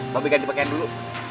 mba be ganti pakaian dulu